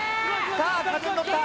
さあ風に乗った。